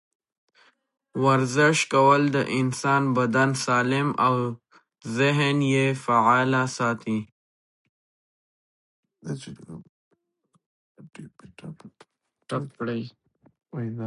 ورزش کول د انسان بدن سالم او ذهن یې فعاله ساتي.